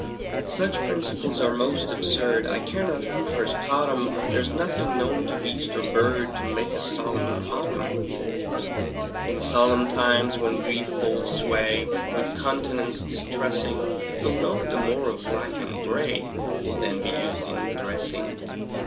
Such principles are most absurd, I care not who first taught 'em; There's nothing known to beast or bird To make a solemn autumn. In solemn times, when grief holds sway With countenance distressing, You'll note the more of black and gray Will then be used in dressing.